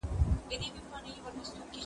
له کتابه یې سر پورته کړ اسمان ته